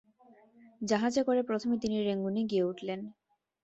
জাহাজে করে প্রথমে তিনি রেঙ্গুনে গিয়ে উঠলেন।